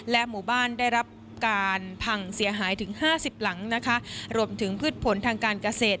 และหมู่บ้านได้รับการพลังเสียหายถึง๕๐ลำนะคะรวมถึงผู้ผลทางการเกษฐ